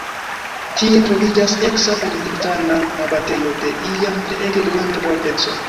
Tie troviĝas eksa benediktana abatejo de iam treege granda graveco.